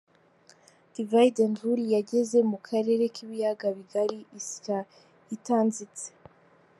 Divide and Rule’ yageze mu Karere k’Ibiyaga bigari isya itanzitse.